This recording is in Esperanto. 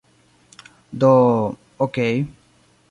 Do... okej